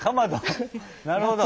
なるほど。